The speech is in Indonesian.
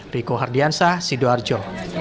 riko hardiansah sido arjo